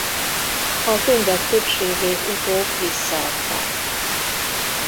A könyvek többségét utóbb visszaadták.